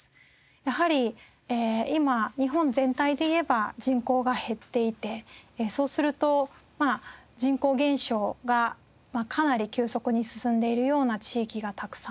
やはり今日本全体で言えば人口が減っていてそうすると人口減少がかなり急速に進んでいるような地域がたくさんあります。